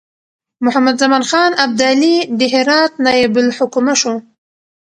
محمدزمان خان ابدالي د هرات نایب الحکومه شو.